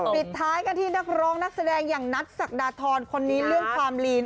ปิดท้ายกันที่นักร้องนักแสดงอย่างนัทศักดาทรคนนี้เรื่องความลีน